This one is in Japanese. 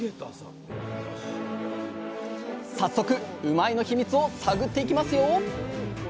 早速うまいッ！の秘密を探っていきますよ！